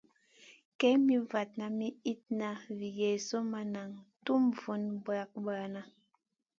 Kay mi vatna mi itna vi Yezu ma nan tum vun bra-bradna.